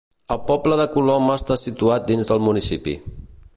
El poble de Coloma està situat dins del municipi.